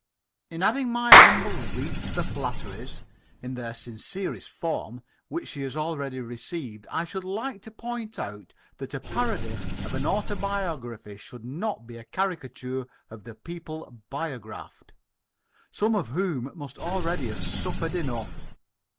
In adding my humble wreath to the flatteries in their sincerest form which she has already received, I should like to point out that a parody of an autobiography should not be a caricature of the people biographed some of whom must already have suffered enough.